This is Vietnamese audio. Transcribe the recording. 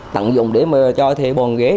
tặng dùng để cho thê bồn ghế